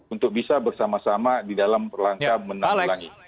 untuk bisa bersama sama di dalam langkah menanggulangi